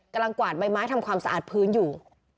กวาดใบไม้ทำความสะอาดพื้นอยู่